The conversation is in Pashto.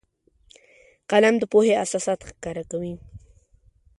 قلم د پوهې اساسات ښکاره کوي